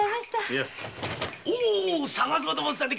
おう捜そうと思ってたんだ。